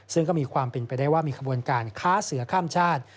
ซึ่งก็มีความเป็นไปได้ว่ามีขบวนการค้าเสือข้ามชาติ